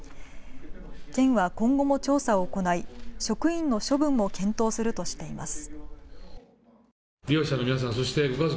県は今後も調査を行い職員の処分も検討するとしています。